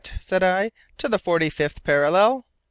said I, "to the forty fifth parallel?"